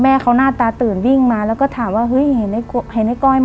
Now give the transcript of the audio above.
เขาหน้าตาตื่นวิ่งมาแล้วก็ถามว่าเฮ้ยเห็นในก้อยไหม